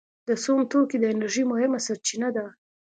د سون توکي د انرژۍ مهمه سرچینه ده.